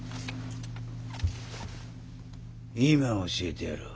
今教えてやろう。